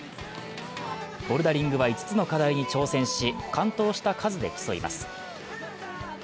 ボルダリングは５つの課題に挑戦し完登した数で競います。